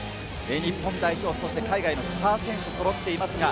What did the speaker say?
日本代表、そして海外のスター選手がそろっています。